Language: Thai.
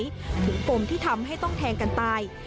ถึงปมที่ทำให้ต้องแทงกันตาย